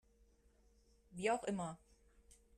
Wie auch immer.